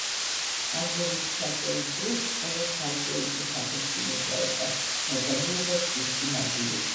ალბომის ჩაწერის დროს ყველა ცალკეულ ოთახებში მუშაობდა, დაძაბულობა ჯგუფში მატულობდა.